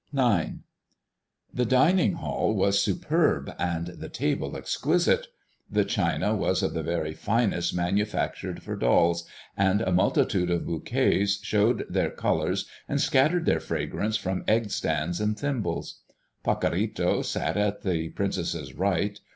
IX. The dining hall was superb and the table exquisite. The china was of the very finest manufactured for dolls, and a multitude of bouquets showed their colors and scattered their fragrance from egg stands and thimbles. Pacorrito sat at the princess's right.